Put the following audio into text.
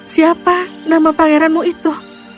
siapa nama pangeranmu itu